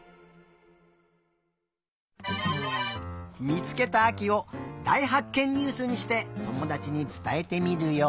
みつけたあきをだいはっけんニュースにしてともだちにつたえてみるよ。